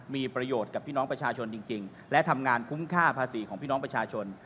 มีประโยชน์กับพี่น้องประชาชนจริงและทำงานคุ้มค่าภาษีของพี่น้องประชาชน